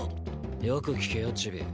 よく聞けよチビ